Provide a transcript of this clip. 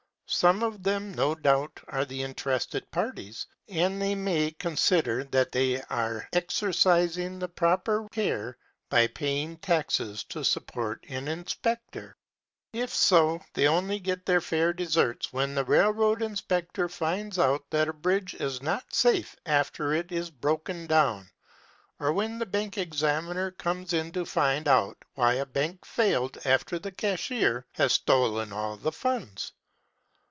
Some of them, no doubt, are the interested parties, and they may consider that they are exercising the proper care by paying taxes to support an inspector. If so, they only get their fair deserts when the railroad inspector finds out that a bridge is not safe after it is broken down, or when the bank examiner comes in to find out why a bank failed after the cashier has stolen all the funds.